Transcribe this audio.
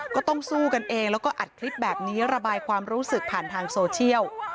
ก็ต้องสู้กันเองแล้วก็อัดคลิปแบบนี้ระบายความรู้สึกผ่านทางโซเชียล